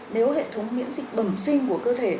nếu hệ thống miễn dịch bẩm sinh của cơ thể